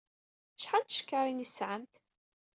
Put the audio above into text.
Acḥal n tcekkaṛin i tesɛamt?